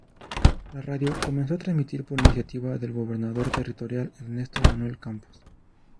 La radio comenzó a transmitir por iniciativa del gobernador territorial Ernesto Manuel Campos.